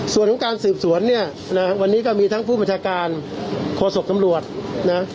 ส่วนของการสืบสวนเนี่ยนะวันนี้ก็มีทั้งผู้บัญชาการโฆษกตำรวจนะ